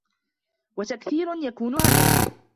وَتَكْثِيرٌ يَكُونُ هَذْرًا